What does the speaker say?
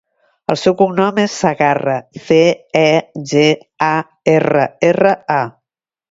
El seu cognom és Cegarra: ce, e, ge, a, erra, erra, a.